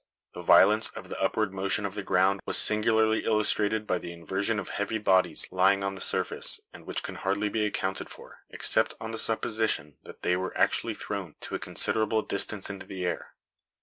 The violence of the upward motion of the ground was singularly illustrated by the inversion of heavy bodies lying on the surface, and which can hardly be accounted for, except on the supposition that they were actually thrown to a considerable distance into the air.